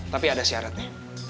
tapi ada syaratnya